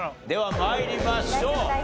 では参りましょう。